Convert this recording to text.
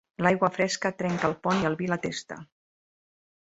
L'aigua fresca trenca el pont, i el vi, la testa.